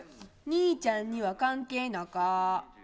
兄ちゃんには関係なか。